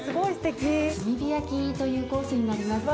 ・炭火焼きというコースになります。